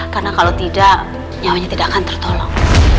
karena kalau tidak nyawanya tidak akan tertolong